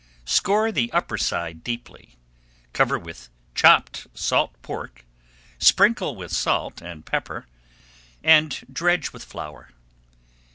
Score the upper side deeply, cover with chopped salt pork, sprinkle with salt and pepper and dredge with flour.